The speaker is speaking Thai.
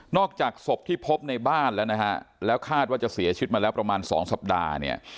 อกจากศพที่พบในบ้านแล้วนะฮะแล้วคาดว่าจะเสียชีวิตมาแล้วประมาณสองสัปดาห์เนี่ย